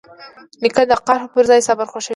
نیکه د قهر پر ځای صبر خوښوي.